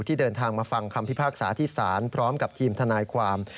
เดินทางมาฟังคำพิพากษาที่ศาลพร้อมกับทีมทนายความ